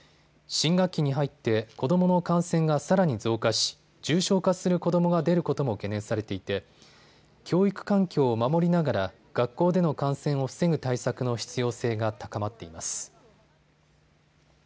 新学期に入って子どもの感染がさらに増加し重症化する子どもが出ることも懸念されていて教育環境を守りながら、学校での感染を防ぐ対策の必要性が高まっています。